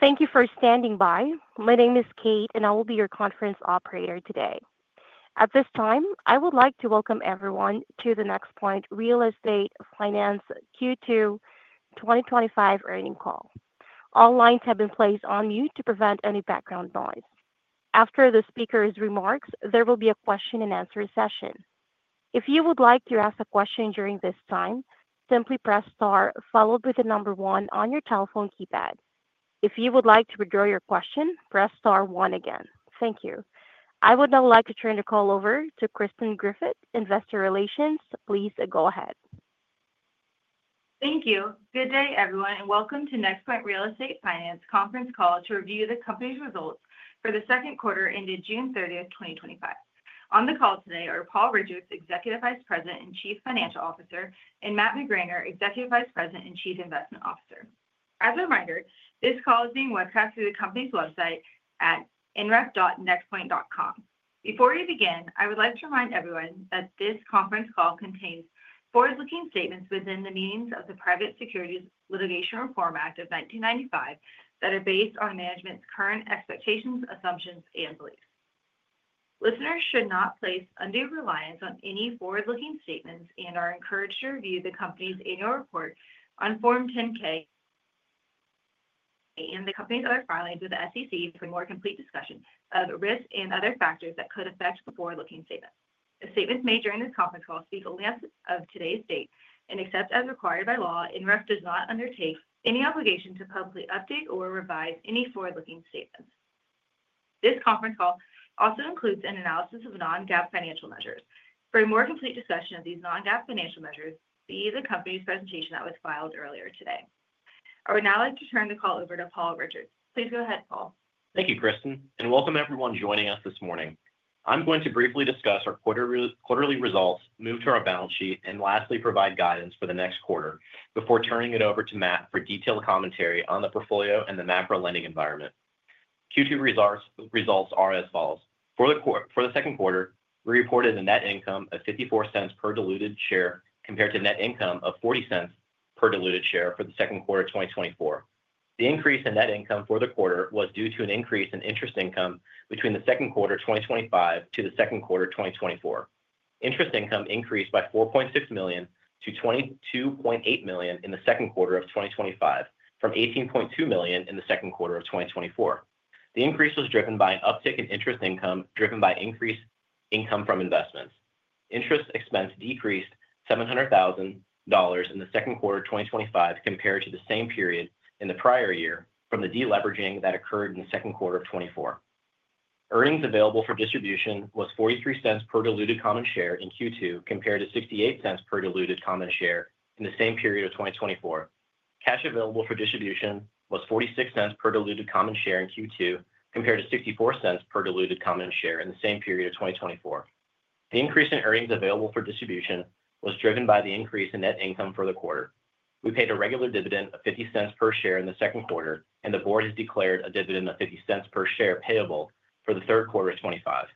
Thank you for standing by. My name is Kate, and I will be your conference operator today. At this time, I would like to welcome everyone to the NexPoint Real Estate Finance Q2 2025 earnings call. All lines have been placed on mute to prevent any background noise. After the speakers' remarks, there will be a question and answer session. If you would like to ask a question during this time, simply press star followed by the number one on your telephone keypad. If you would like to withdraw your question, press star one again. Thank you. I would now like to turn the call over to Kristen Griffith, Investor Relations. Please go ahead. Thank you. Good day, everyone, and welcome to NexPoint Real Estate Finance conference call to review the company's results for the second quarter ending June 30th, 2025. On the call today are Paul Richards, Executive Vice President and Chief Financial Officer, and Matt McGraner, Executive Vice President and Chief Investment Officer. As a reminder, this call is being webcast through the company's website at nref.nexpoint.com. Before we begin, I would like to remind everyone that this conference call contains forward-looking statements within the meaning of the Private Securities Litigation Reform Act of 1995 that are based on management's current expectations, assumptions, and beliefs. Listeners should not place undue reliance on any forward-looking statements and are encouraged to review the company's annual report on Form 10-K and the company's other filings with the SEC for a more complete discussion of risks and other factors that could affect the forward-looking statements. The statements made during this conference call speak only as of today's date except as required by law. NREF does not undertake any obligation to publicly update or revise any forward-looking statements. This conference call also includes an analysis of non-GAAP financial measures. For a more complete discussion of these non-GAAP financial measures, see the company's presentation that was filed earlier today. I would now like to turn the call over to Paul Richards. Please go ahead, Paul. Thank you, Kristen, and welcome everyone joining us this morning. I'm going to briefly discuss our quarterly results, move to our balance sheet, and lastly, provide guidance for the next quarter before turning it over to Matt for detailed commentary on the portfolio and the macro lending environment. Q2 results are as follows: for the second quarter, we reported a net income of $0.54 per diluted share compared to a net income of $0.40 per diluted share for the second quarter of 2024. The increase in net income for the quarter was due to an increase in interest income between the second quarter of 2025 to the second quarter of 2024. Interest income increased by $4.6 million to $22.8 million in the second quarter of 2025, from $18.2 million in the second quarter of 2024. The increase was driven by an uptick in interest income driven by increased income from investments. Interest expense decreased $700,000 in the second quarter of 2025 compared to the same period in the prior year from the deleveraging that occurred in the second quarter of 2024. Earnings available for distribution were $0.43 per diluted common share in Q2 compared to $0.68 per diluted common share in the same period of 2024. Cash available for distribution was $0.46 per diluted common share in Q2 compared to $0.64 per diluted common share in the same period of 2024. The increase in earnings available for distribution was driven by the increase in net income for the quarter. We paid a regular dividend of $0.50 per share in the second quarter, and the board has declared a dividend of $0.50 per share payable for the third quarter of 2025.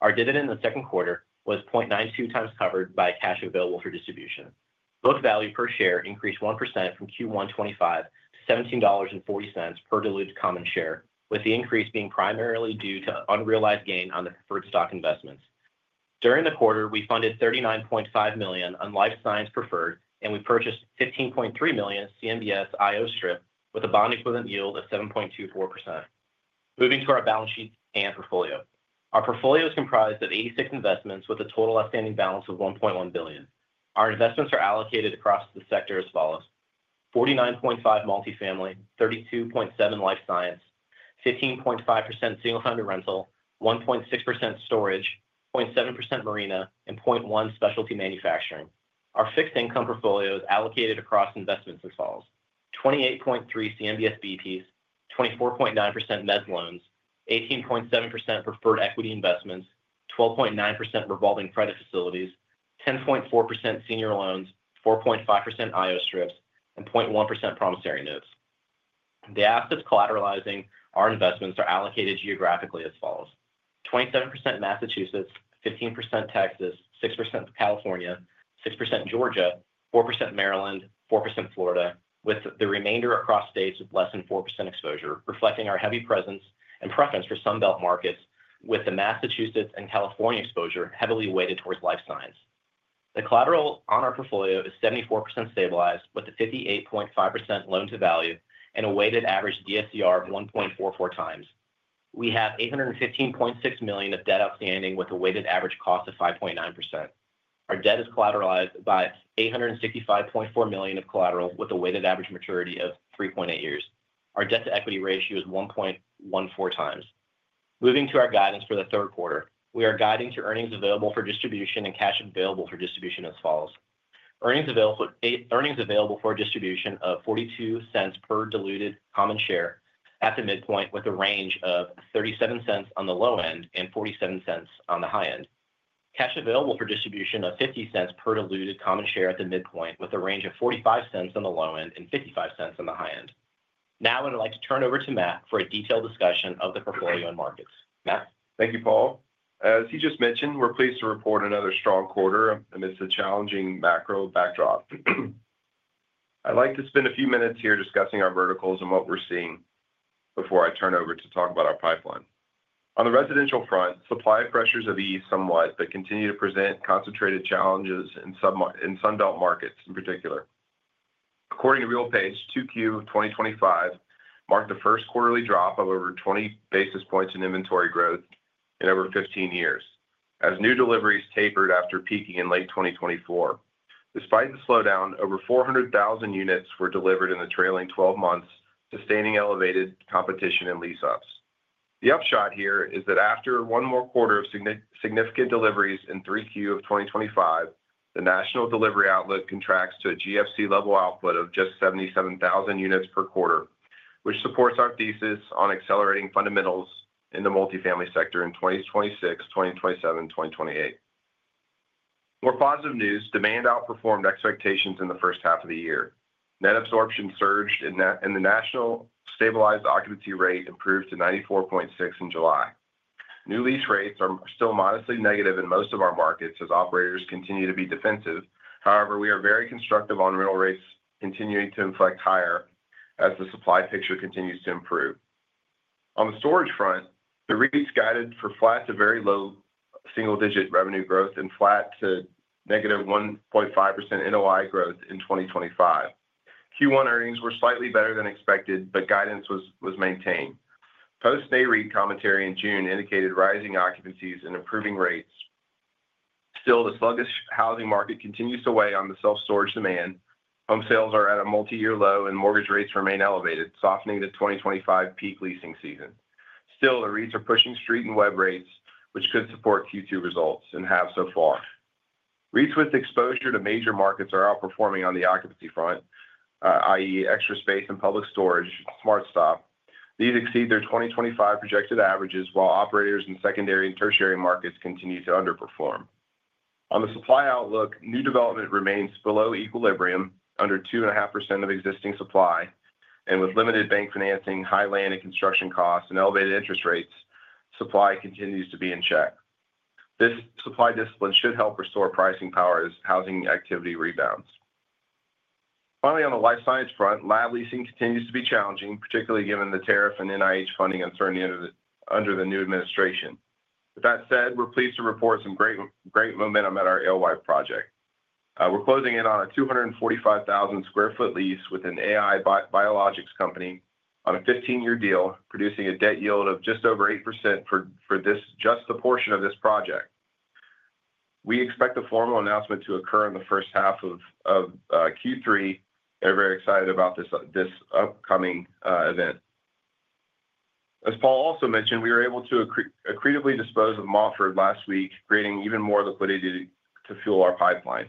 Our dividend in the second quarter was 0.92x covered by cash available for distribution. Book value per share increased 1% from Q1 2025 to $17.40 per diluted common share, with the increase being primarily due to unrealized gain on the preferred stock investments. During the quarter, we funded $39.5 million on life science preferred, and we purchased $15.3 million CMBS IO strip with a bond equivalent yield of 7.24%. Moving to our balance sheet and portfolio, our portfolio is comprised of 86 investments with a total outstanding balance of $1.1 billion. Our investments are allocated across the sector as follows: 49.5% multifamily, 32.7% life science, 15.5% single-family rental, 1.6% storage, 0.7% marina, and 0.1% specialty manufacturing. Our fixed income portfolio is allocated across investments as follows: 28.3% CMBS B-piece, 24.9% mez loans, 18.7% preferred equity investments, 12.9% revolving credit facilities, 10.4% senior loans, 4.5% IO strips, and 0.1% promissory notes. The assets collateralizing our investments are allocated geographically as follows: 27% Massachusetts, 15% Texas, 6% California, 6% Georgia, 4% Maryland, 4% Florida, with the remainder across states with less than 4% exposure, reflecting our heavy presence and preference for Sun Belt markets, with the Massachusetts and California exposure heavily weighted towards life science. The collateral on our portfolio is 74% stabilized with a 58.5% loan-to-value and a weighted average DSCR of 1.44x. We have $815.6 million of debt outstanding with a weighted average cost of 5.9%. Our debt is collateralized by $865.4 million of collateral with a weighted average maturity of 3.8 years. Our debt-to-equity ratio is 1.14x. Moving to our guidance for the third quarter, we are guiding to earnings available for distribution and cash available for distribution as follows: earnings available for distribution of $0.42 per diluted common share at the midpoint, with a range of $0.37 on the low end and $0.47 on the high end. Cash available for distribution of $0.50 per diluted common share at the midpoint, with a range of $0.45 on the low end and $0.55 on the high end. Now I would like to turn over to Matt for a detailed discussion of the portfolio and markets. Matt? Thank you, Paul. As he just mentioned, we're pleased to report another strong quarter amidst a challenging macro backdrop. I'd like to spend a few minutes here discussing our verticals and what we're seeing before I turn over to talk about our pipeline. On the residential front, supply pressures have eased somewhat but continue to present concentrated challenges in Sun Belt markets in particular. According to RealPage, Q2 2025 marked the first quarterly drop of over 20 basis points in inventory growth in over 15 years, as new deliveries tapered after peaking in late 2024. Despite the slowdown, over 400,000 units were delivered in the trailing 12 months, sustaining elevated competition and lease ups. The upshot here is that after one more quarter of significant deliveries in Q3 of 2025, the national delivery outlook contracts to a GFC-level output of just 77,000 units per quarter, which supports our thesis on accelerating fundamentals in the multifamily sector in 2026, 2027, and 2028. More positive news: demand outperformed expectations in the first half of the year. Net absorption surged, and the national stabilized occupancy rate improved to 94.6% in July. New lease rates are still modestly negative in most of our markets as operators continue to be defensive. However, we are very constructive on rental rates continuing to inflect higher as the supply picture continues to improve. On the storage front, the REITs guided for flat to very low single-digit revenue growth and flat to -1.5% NOI growth in 2025. Q1 earnings were slightly better than expected, but guidance was maintained. Post-Nareit commentary in June indicated rising occupancies and improving rates. Still, the sluggish housing market continues to weigh on the self-storage demand. Home sales are at a multi-year low, and mortgage rates remain elevated, softening the 2025 peak leasing season. Still, the REITs are pushing street and web rates, which could support Q2 results and have so far. REITs with exposure to major markets are outperforming on the occupancy front, i.e., Extra Space and Public Storage. These exceed their 2025 projected averages, while operators in secondary and tertiary markets continue to underperform. On the supply outlook, new development remains below equilibrium, under 2.5% of existing supply, and with limited bank financing, high land and construction costs, and elevated interest rates, supply continues to be in check. This supply discipline should help restore pricing power as housing activity rebounds. Finally, on the life science front, lab leasing continues to be challenging, particularly given the tariff and NIH funding uncertainty under the new administration. With that said, we're pleased to report some great momentum at our LY project. We're closing in on a 245,000 sq ft lease with an AI biologics company on a 15-year deal, producing a debt yield of just over 8% for just the portion of this project. We expect the formal announcement to occur in the first half of Q3, and we're very excited about this upcoming event. As Paul also mentioned, we were able to accretively dispose of MOFR last week, creating even more liquidity to fuel our pipeline.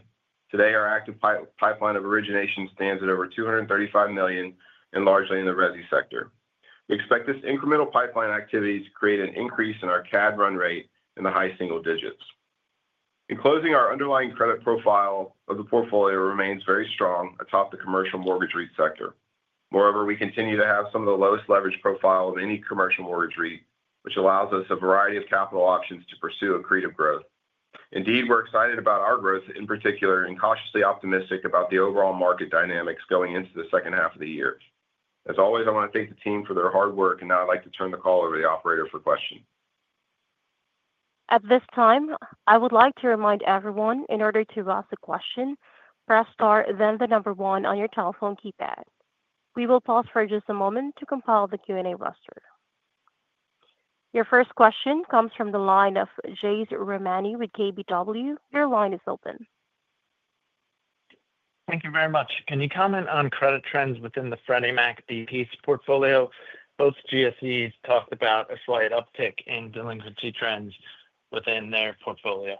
Today, our active pipeline of origination stands at over $235 million and largely in the resi sector. We expect this incremental pipeline activity to create an increase in our CAD run rate in the high single digits. In closing, our underlying credit profile of the portfolio remains very strong atop the commercial mortgage REIT sector. Moreover, we continue to have some of the lowest leverage profile of any commercial mortgage REIT, which allows us a variety of capital options to pursue accretive growth. Indeed, we're excited about our growth in particular and cautiously optimistic about the overall market dynamics going into the second half of the year. As always, I want to thank the team for their hard work, and now I'd like to turn the call over to the operator for questions. At this time, I would like to remind everyone, in order to ask a question, press star, then the number one on your telephone keypad. We will pause for just a moment to compile the Q&A roster. Your first question comes from the line of Jade Rahmani with KBW. Your line is open. Thank you very much. Can you comment on credit trends within the Freddie Mac B-piece portfolio? Both GSEs talked about a slight uptick in delinquency trends within their portfolio.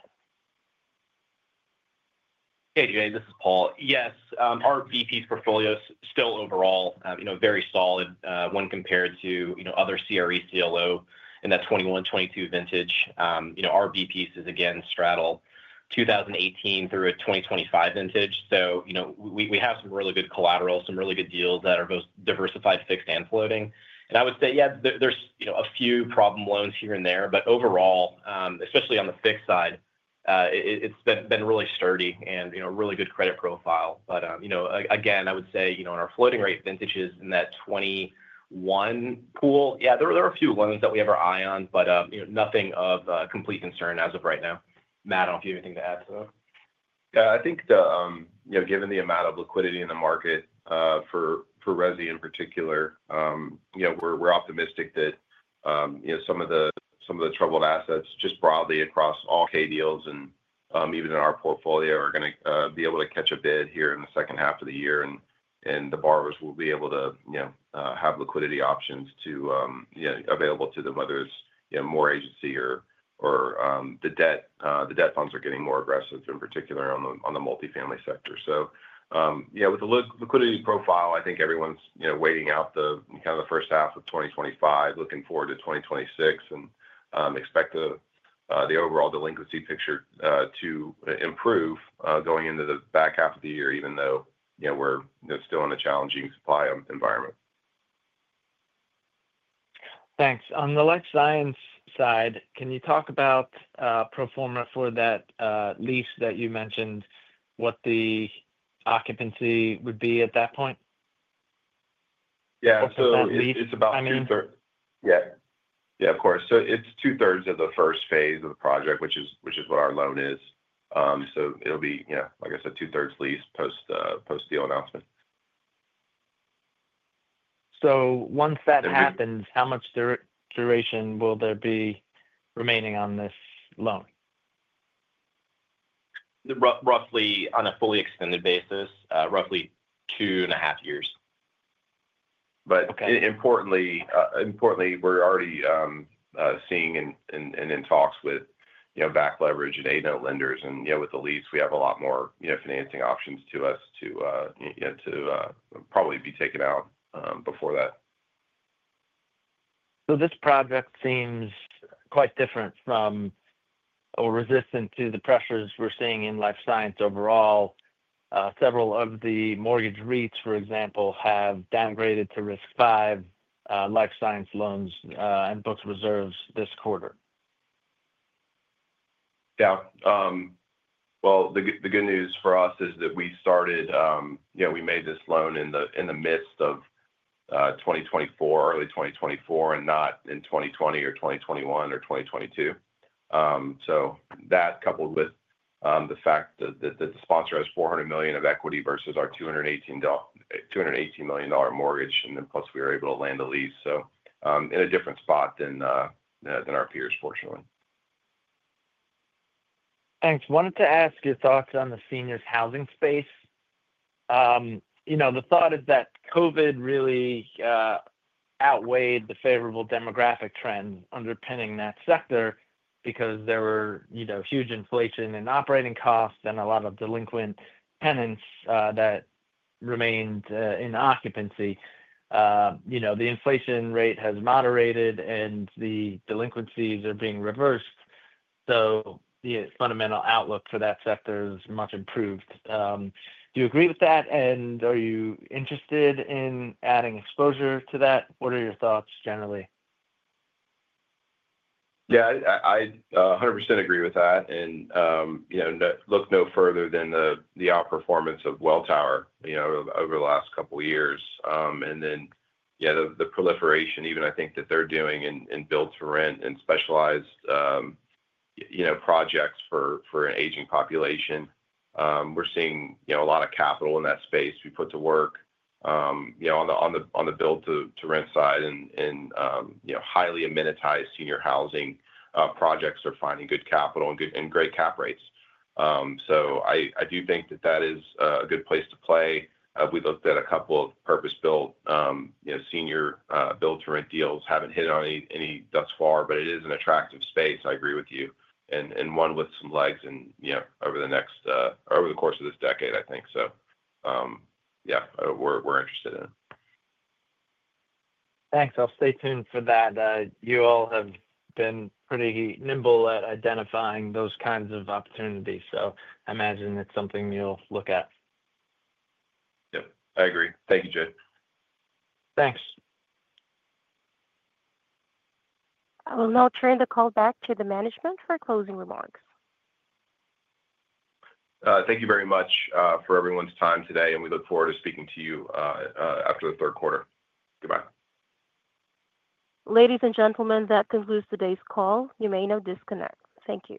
Hey, Jay. This is Paul. Yes, our B-piece portfolio is still overall very solid when compared to other CRE CLO in that 2021, 2022 vintage. Our B-piece is again straddle 2018 through a 2025 vintage. We have some really good collateral, some really good deals that are both diversified, fixed, and floating. I would say, yeah, there's a few problem loans here and there, but overall, especially on the fixed side, it's been really sturdy and a really good credit profile. I would say in our floating-rate vintages in that 2021 pool, yeah, there are a few loans that we have our eye on, but nothing of complete concern as of right now. Matt, I don't know if you have anything to add to that. Yeah, I think, given the amount of liquidity in the market for resi in particular, we're optimistic that some of the troubled assets just broadly across all K deals and even in our portfolio are going to be able to catch a bid here in the second half of the year, and the borrowers will be able to have liquidity options available to them, whether it's more agency or the debt. The debt funds are getting more aggressive in particular on the multifamily sector. With the liquidity profile, I think everyone's waiting out the kind of the first half of 2025, looking forward to 2026, and expect the overall delinquency picture to improve going into the back half of the year, even though we're still in a challenging supply environment. Thanks. On the life science side, can you talk about pro forma for that lease that you mentioned, what the occupancy would be at that point? Yeah. That lease. Of course. It's 2/3 of the first phase of the project, which is what our loan is. It'll be, like I said, 2/3 leased post-deal announcement. Once that happens, how much duration will there be remaining on this loan? On a fully extended basis, roughly two and a half years. Importantly, we're already seeing and in talks with back leverage and a DOT lenders, and with the lease, we have a lot more financing options to us to probably be taken out before that. This project seems quite different from or resistant to the pressures we're seeing in life science overall. Several of the mortgage REITs, for example, have downgraded to risk 5 life science loans and booked reserves this quarter. Yeah, the good news for us is that we started, you know, we made this loan in the midst of 2024, early 2024, and not in 2020 or 2021 or 2022. That, coupled with the fact that the sponsor has $400 million of equity versus our $218 million mortgage, and then plus we were able to land the lease, puts us in a different spot than our peers, fortunately. Thanks. Wanted to ask your thoughts on the senior housing space. The thought is that COVID really outweighed the favorable demographic trend underpinning that sector because there were huge inflation in operating costs and a lot of delinquent tenants that remained in occupancy. The inflation rate has moderated and the delinquencies are being reversed. The fundamental outlook for that sector is much improved. Do you agree with that? Are you interested in adding exposure to that? What are your thoughts generally? Yeah, I 100% agree with that. You know, look no further than the outperformance of Welltower over the last couple of years. The proliferation, even, I think that they're doing in build-to-rent and specialized projects for an aging population. We're seeing a lot of capital in that space. We put to work on the build-to-rent side and highly amenitized senior housing projects are finding good capital and great cap rates. I do think that that is a good place to play. We looked at a couple of purpose-built senior build-to-rent deals, haven't hit on any thus far, but it is an attractive space. I agree with you. One with some legs and, you know, over the next, over the course of this decade, I think. Yeah, we're interested in it. Thanks. I'll stay tuned for that. You all have been pretty nimble at identifying those kinds of opportunities, so I imagine it's something you'll look at. Yep. I agree. Thank you, Jade. Thanks. I will now turn the call back to the management for closing remarks. Thank you very much for everyone's time today, and we look forward to speaking to you after the third quarter. Goodbye. Ladies and gentlemen, that concludes today's call. You may now disconnect. Thank you.